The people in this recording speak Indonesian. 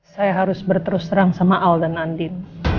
saya harus berterus terang sama al dan adit